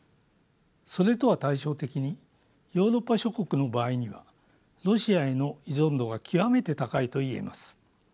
それとは対照的にヨーロッパ諸国の場合にはロシアへの依存度が極めて高いと言えます。